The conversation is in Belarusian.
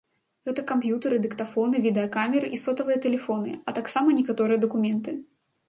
Гэта камп'ютары, дыктафоны, відэакамеры і сотавыя тэлефоны, а таксама некаторыя дакументы.